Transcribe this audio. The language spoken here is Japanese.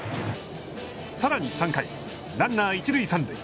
さらに３回ランナー一塁三塁。